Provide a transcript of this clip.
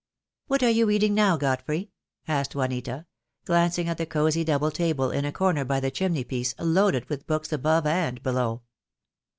"What are you reading now, Godfrey?" asked Juanita, glancing at the cosy double table in a corner by the chimney piece, loaded with books above and below.